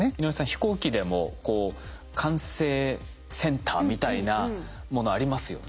飛行機でもこう管制センターみたいなものありますよね。